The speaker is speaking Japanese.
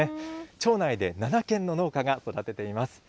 町内で７軒の農家が育てています。